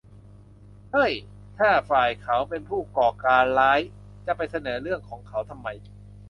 เฮ้ย อีกฝ่ายเขาเป็นผู้ก่อการร้าย จะไปเสนอเรื่องของเขาทำไม ?